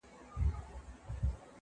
کاسيګين له خوا داسي احوال راغی